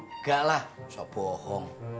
enggak lah usah bohong